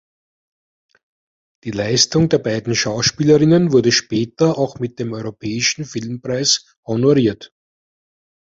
Die Leistung der beiden Schauspielerinnen wurde später auch mit dem Europäischen Filmpreis honoriert.